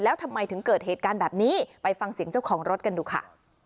แล้วทำไมถึงเกิดเหตุการณ์แบบนี้ไปฟังเสียงเจ้าของรถกันดูค่ะ